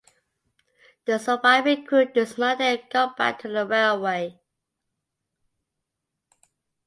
The surviving crew dismounted and got back to the railway.